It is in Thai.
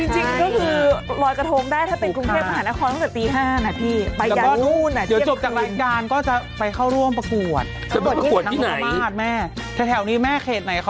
จริงก็คือลอยกระทงได้ถ้าเป็นกรุงเทพมหานครตั้งแต่ตี๕นะพี่